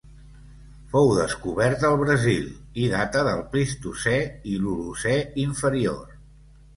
Fou descobert al Brasil i data del Plistocè i l'Holocè inferior.